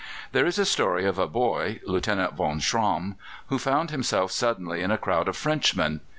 There is a story of a boy Lieutenant, von Schramm, who found himself suddenly in a crowd of Frenchmen.